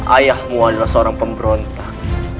ayahmu adalah seorang pemberontak